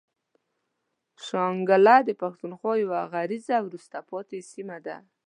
شانګله د پښتونخوا يوه غريزه او وروسته پاتې سيمه ده.